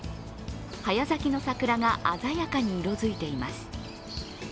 早咲きの桜が鮮やかに色づいています。